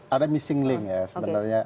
ada missing link ya sebenarnya